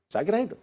saya kira itu